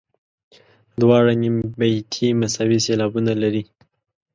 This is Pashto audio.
دواړه نیم بیتي مساوي سېلابونه لري.